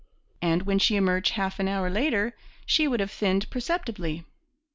And when she emerged half an hour later she would have thinned perceptibly.